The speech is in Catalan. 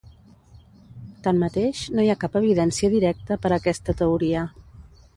Tanmateix, no hi ha cap evidència directa per aquesta teoria.